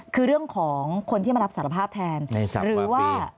คือเรื่องของคนที่มารับสารภาพแทนหรือว่า